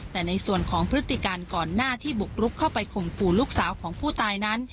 แต่ในส่วนของพฤติการก่อนหน้าที่บุกรุกเข้าไปข่มขู่ลูกสาวของผู้ตายนั้น